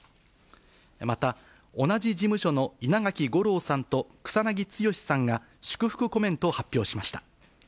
また同じ事務所の稲垣吾郎さんと草なぎ剛さんが、祝福コメントを発表しました。